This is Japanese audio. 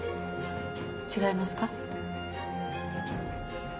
違いますか？